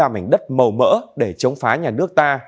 mảnh đất màu mỡ để chống phá nhà nước ta